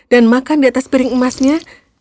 dan makan di atas piring emasnya